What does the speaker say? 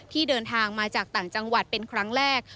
เดินทางมาจากต่างจังหวัดเป็นครั้งแรก